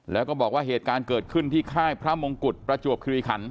แล้วก็บอกว่าเหตุการณ์เกิดขึ้นที่ค่ายพระมงกุฎประจวบคิริขัน